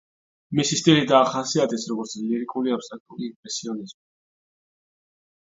მისი სტილი დაახასიათეს, როგორც ლირიკული აბსტრაქტული იმპრესიონიზმი.